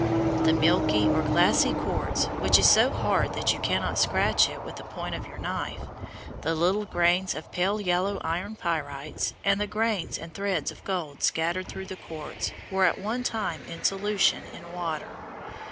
The milky or glassy quartz, which is so hard that you cannot scratch it with the point of your knife, the little grains of pale yellow iron pyrites, and the grains and threads of gold scattered through the quartz, were at one time in solution in water.